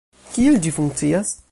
Kiel ĝi funkcias?